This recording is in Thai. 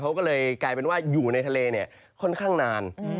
เขาก็เลยกลายเป็นว่าอยู่ในทะเลเนี่ยค่อนข้างนาน